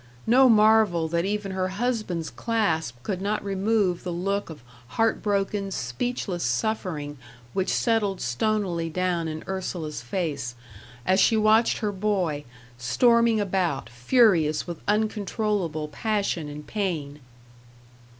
No marvel that even her husband's clasp could not remove the look of heart broken, speechless suffering which settled stonily down in Ursula's face, as she watched her boy storming about, furious with uncontrollable passion and pain.